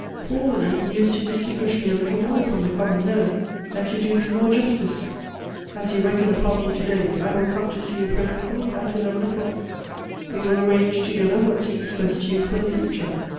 Formerly you used to distinguish me a little more from the common herd and to do me more justice. As you reckon upon me to day, I will come to see you presently, at eleven o'clock. We will arrange together what seems best to you for the future.